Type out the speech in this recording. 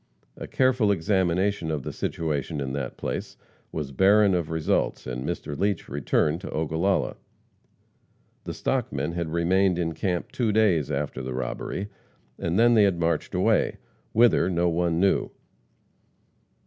A careful examination of the situation in that place was barren of results, and Mr. Leach returned to Ogallala. The "stockmen" had remained in camp two days after the robbery, and then they had marched away whither no one knew.